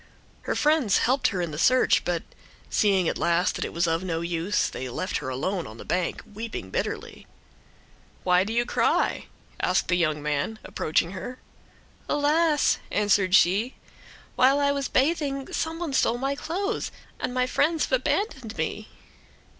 Her friends helped her in the search, but, seeing at last that it was of no use, they left her alone on the bank, weeping bitterly. "Why do you cry?" said the young man, approaching her. "Alas!" answered she, "while I was bathing some one stole my clothes, and my friends have abandoned me."